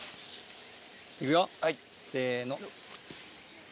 いくよせの。